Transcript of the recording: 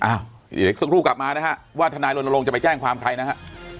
อ้าวอีกสักรูปกลับมานะฮะว่าทนายลนโลงจะไปแจ้งความใครนะฮะ